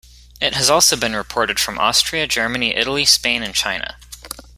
It has also been reported from Austria, Germany, Italy, Spain and China.